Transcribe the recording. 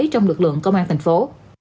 trong lực lượng công an thành phố